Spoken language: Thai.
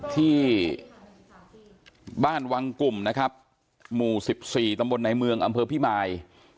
ที่บ้านวังกลุ่มนะครับหมู่๑๔ตำบลในเมืองอำเภอพิมาย